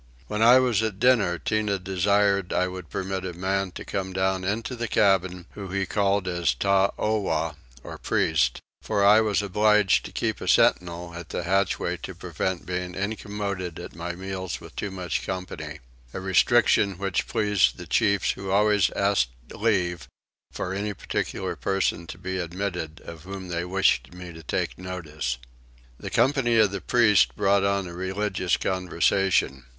While I was at dinner Tinah desired I would permit a man to come down into the cabin whom he called his Taowah or priest; for I was obliged to keep a sentinel at the hatchway to prevent being incommoded at my meals with too much company; a restriction which pleased the chiefs who always asked leave for any particular person to be admitted of whom they wished me to take notice. The company of the priest brought on a religious conversation.